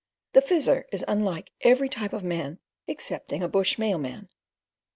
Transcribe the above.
The Fizzer is unlike every type of man excepting a bush mail man.